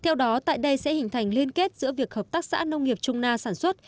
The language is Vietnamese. theo đó tại đây sẽ hình thành liên kết giữa việc hợp tác xã nông nghiệp trung na sản xuất